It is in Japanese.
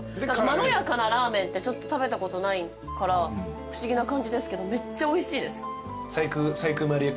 まろやかなラーメンって食べたことないから不思議な感じですけどめっちゃおいしいです。